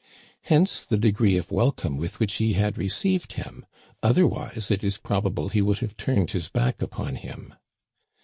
Hence the degree of welcome with which he had received him. Otherwise, it is probable he would have turned his back upon him.